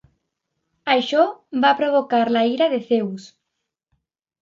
Això va provocar la ira de Zeus.